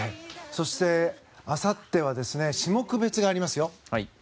そして、あさっては種目別がありますよ。